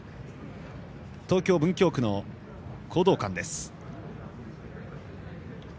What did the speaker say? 東京・文京区の講道館です。